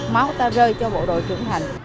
máu ta rơi cho bộ đội trưởng thành